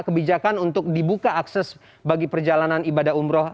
kebijakan untuk dibuka akses bagi perjalanan ibadah umroh